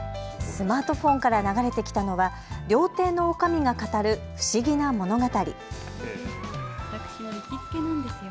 スマートフォンから流れてきたのは料亭のおかみが語る不思議な物語。